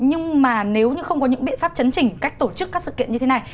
nhưng mà nếu như không có những biện pháp chấn chỉnh cách tổ chức các sự kiện như thế này